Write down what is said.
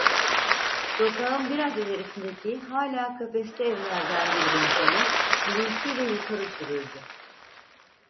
Sokağın biraz ilerisindeki hâlâ kafesli evlerden birinin camı gürültüyle yukarı sürüldü.